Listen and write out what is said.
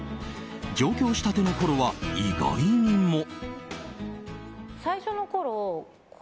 上京したてのころは、意外にも。